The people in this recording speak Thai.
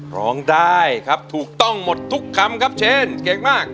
ร้องได้ครับถูกต้องหมดทุกคำครับเชนเก่งมาก